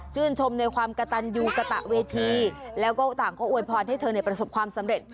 ชมในความกระตันยูกระตะเวทีแล้วก็ต่างก็อวยพรให้เธอประสบความสำเร็จ